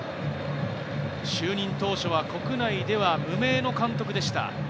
就任当初は国内では無名の監督でした。